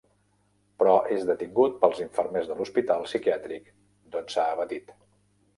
Però és detingut pels infermers de l'hospital psiquiàtric d'on s'ha evadit.